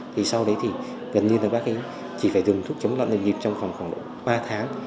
thì sau đấy thì gần như là bác ấy chỉ phải dùng thuốc chống lo niệm dịp trong khoảng độ ba tháng